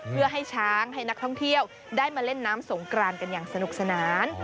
เพื่อให้ช้างให้นักท่องเที่ยวได้มาเล่นน้ำสงกรานกันอย่างสนุกสนาน